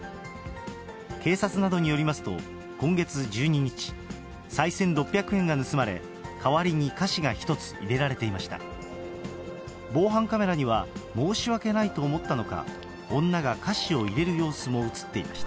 警察などによりますと、今月１２日、さい銭６００円が盗まれ、代わりに菓子が１つ入れられていました。